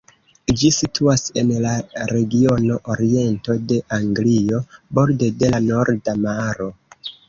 Ĝi situas en la regiono Oriento de Anglio, borde de la Norda Maro.